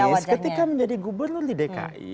pak anies ketika menjadi gubernur di dki